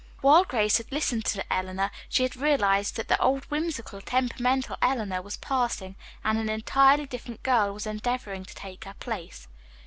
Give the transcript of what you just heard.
While Grace had listened to Eleanor, she had realized that the old whimsical, temperamental Eleanor was passing, and an entirely different girl was endeavoring to take her place.